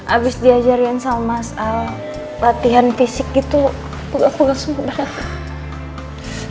abis diajarin sama mas al latihan fisik gitu punggah punggah semua badan aku